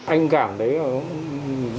anh cảm thấy rất